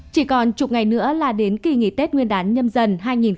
chỉ còn chục ngày nữa là đến kỳ nghỉ tết nguyên đán nhâm dần hai nghìn hai mươi